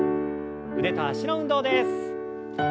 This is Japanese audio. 腕と脚の運動です。